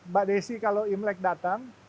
mbak desi kalau imlek datang